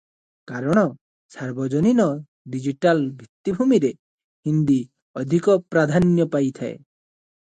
କାରଣ ସାର୍ବଜନୀନ ଡିଜିଟାଲ ଭିତ୍ତିଭୂମିରେ ହିନ୍ଦୀ ଅଧିକ ପ୍ରାଧାନ୍ୟ ପାଇଥାଏ ।